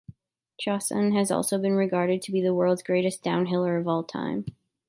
Chausson has also been regarded to be the world's greatest downhiller of all time.